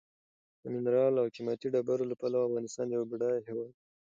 د منرالو او قیمتي ډبرو له پلوه افغانستان یو بډایه هېواد دی.